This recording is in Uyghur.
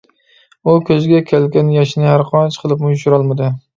ئۇ كۆزىگە كەلگەن ياشنى ھەرقانچە قىلىپمۇ يوشۇرالمىدى.